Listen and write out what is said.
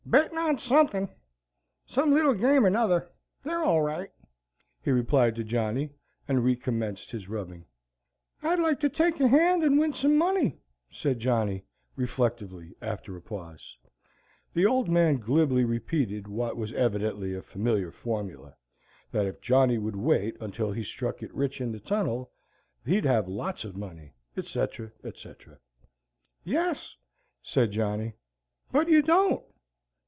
"Bettin' on suthin, some little game or 'nother. They're all right," he replied to Johnny, and recommenced his rubbing. "I'd like to take a hand and win some money," said Johnny, reflectively, after a pause. The Old Man glibly repeated what was evidently a familiar formula, that if Johnny would wait until he struck it rich in the tunnel he'd have lots of money, etc., etc. "Yes," said Johnny, "but you don't.